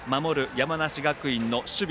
山梨学院の守備。